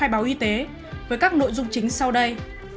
khai báo y tế với các nội dung chính sau đây